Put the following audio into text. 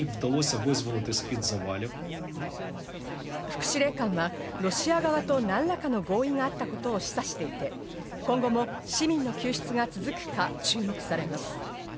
副司令官はロシア側と何らかの合意があったことを示唆していて、今後も市民の救出が続くか注目されます。